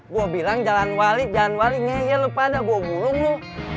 gua bilang jalan wali jalan wali ngeyel pada gua gulung lu